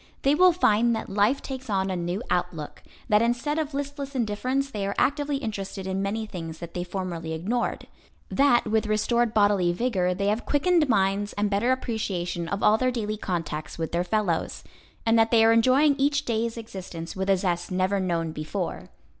They will find that life takes on a new outlook, that instead of listless indifference they are actively interested in many things that they formerly ignored; that with restored bodily vigor they have quickened minds and better appreciation of all their daily contacts with their fellows, and that they are enjoying each day's existence with a zest never known before.